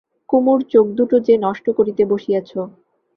কুমুর চোখ দুটো যে নষ্ট করিতে বসিয়াছ।